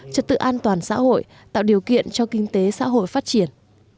trật tự an toàn xã hội tạo điều kiện cho kinh tế xã hội phát triển